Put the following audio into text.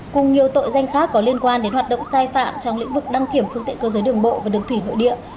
cùng nhiều tội danh khác có liên quan đến hoạt động sai phạm trong lĩnh vực đăng kiểm phương tiện cơ giới đường bộ và đường thủy nội địa